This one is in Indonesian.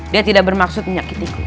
dia tidak bermaksud menyakitiku